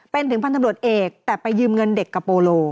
เป็นถึงพันธบรวจเอกแต่ไปยืมเงินเด็กกับโปโล